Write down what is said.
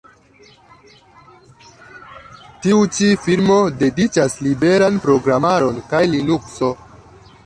Tiu ĉi firmo dediĉas liberan programaron kaj Linukso.